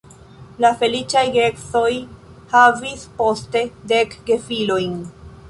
La feliĉaj geedzoj havis poste dek gefilojn.